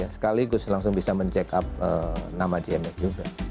sekaligus langsung bisa mengecek up nama gmf juga